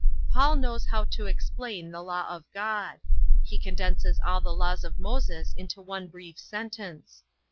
'" Paul knows how to explain the law of God. He condenses all the laws of Moses into one brief sentence.